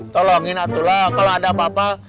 tolongin atuh lah kalau ada apa apa